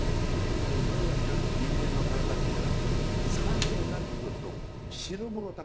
でどういうわけか人間の体っていうのは酸性になってくると汁物を食べたくなるの。